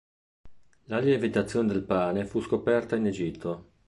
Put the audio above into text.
La lievitazione del pane fu scoperta in Egitto.